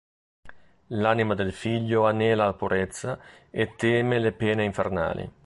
L'anima del figlio anela alla purezza e teme le pene infernali.